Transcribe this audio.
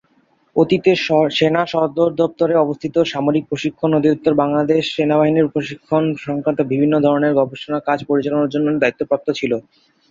অতীতে, সেনা সদর দপ্তরে অবস্থিত সামরিক প্রশিক্ষণ অধিদপ্তর বাংলাদেশ সেনাবাহিনীর প্রশিক্ষণ সংক্রান্ত বিভিন্ন ধরনের গবেষণা কাজ পরিচালনার জন্য দায়িত্বপ্রাপ্ত ছিল।